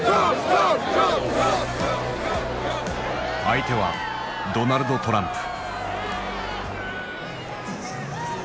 相手はドナルド・トランプ。